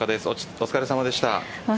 お疲れさまでした。